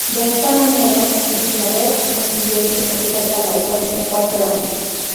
De esta manera, Enslaved consiguió su tercer galardón en cuatro años.